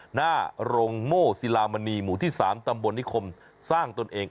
หน้าโรงโม่ศิลามณีหมู่ที่๓ตำบลนิคมสร้างตนเอง